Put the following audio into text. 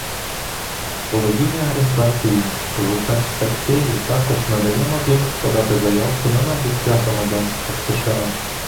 Володіння грін-картою в перспективі також надає можливість подати заявку на набуття громадянства США